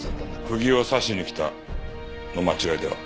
釘を刺しに来たの間違いでは？